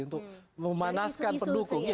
untuk memanaskan pendukung